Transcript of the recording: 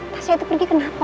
tasha itu pergi kenapa